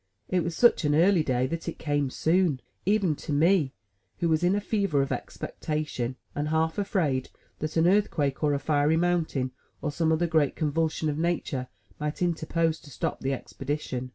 It was such an early day that it came soon, even to me, who was in a fever of expectation, and half afraid that an earthquake or a fiery mountain, or some other great convulsion of nature might interpose to stop the expedition.